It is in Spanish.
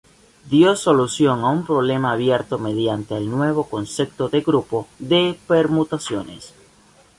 Dio solución a un problema abierto mediante el nuevo concepto de grupo de permutaciones.